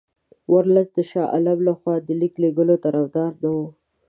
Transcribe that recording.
ورلسټ د شاه عالم له خوا د لیک لېږلو طرفدار نه وو.